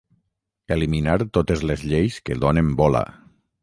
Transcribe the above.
Eliminar totes les lleis que donen bola.